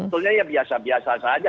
sebenarnya biasa biasa saja